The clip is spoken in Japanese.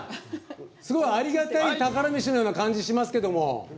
すごいありがたい宝メシのような感じがしますけども。